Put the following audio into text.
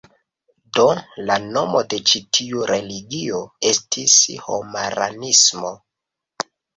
Do, la nomo de ĉi tiu religio estis Homaranismo.